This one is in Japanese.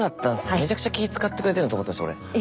めちゃくちゃ気遣ってくれてると思ったんです俺。